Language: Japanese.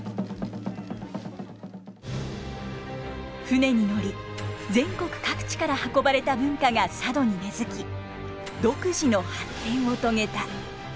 船に乗り全国各地から運ばれた文化が佐渡に根づき独自の発展を遂げた。